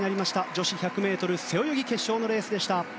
女子１００ｍ背泳ぎ決勝のレースでした。